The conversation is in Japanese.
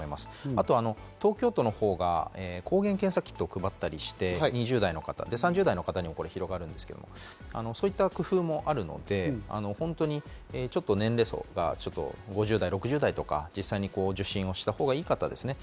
あとは東京都のほうが抗原検査キットを配ったりして、２０代の方、３０代の方にも広がるんですが、そういった工夫もあるので、年齢層が５０代、６０代とか、実際に受診したほうがいい方ですね。